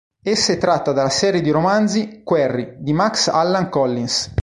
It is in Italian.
Essa è tratta dalla serie di romanzi "Quarry" di Max Allan Collins.